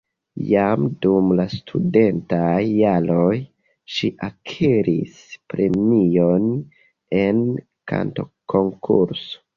Jam dum la studentaj jaroj ŝi akiris premion en kantokonkurso.